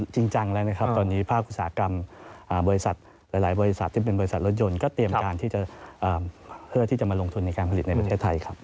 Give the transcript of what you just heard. จริงจังแล้วนะครับตอนนี้ภาคอุตสาหกรรมบริษัทหลายบริษัทที่เป็นบริษัทรถยนต์ก็เตรียมการที่จะเพื่อที่จะมาลงทุนในการผลิตในประเทศไทยครับ